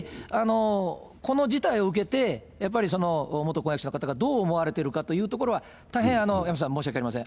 この事態を受けて、やっぱり元婚約者の方がどう思われてるかというところは、大変、山下さん、申し訳ありません。